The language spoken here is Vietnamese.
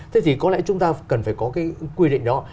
thế thì có lẽ chúng ta cần phải có cái quy định đó